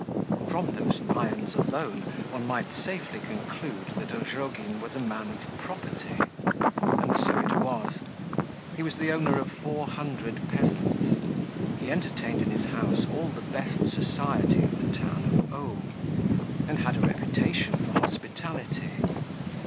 From those lions alone, one might safely conclude that Ozhogin was a man of property. And so it was; he was the owner of four hundred peasants; he entertained in his house all the best society of the town of O , and had a reputation for hospitality.